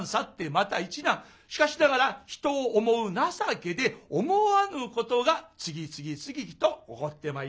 しかしながら人を思う情けで思わぬことが次々次にと起こってまいります。